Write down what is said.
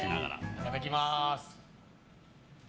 いただきます。